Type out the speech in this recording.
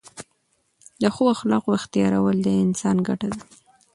د ښو اخلاقو احتیارول د انسان ګټه ده.